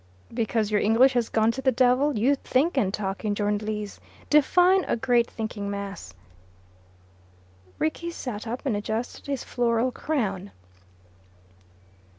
"Because your English has gone to the devil. You think and talk in Journalese. Define a great thinking mass." Rickie sat up and adjusted his floral crown.